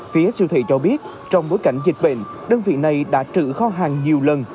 phía siêu thị cho biết trong bối cảnh dịch bệnh đơn vị này đã trữ kho hàng nhiều lần